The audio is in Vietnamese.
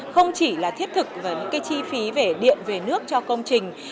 không chỉ là thiết thực và những chi phí về điện về nước cho công trình